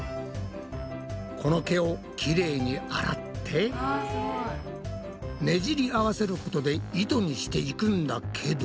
この毛をきれいに洗ってねじり合わせることで糸にしていくんだけど。